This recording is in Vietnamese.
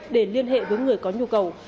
để liên hệ với người có nhu cầu